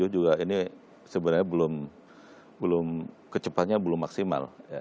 juga ini sebenarnya belum kecepatnya belum maksimal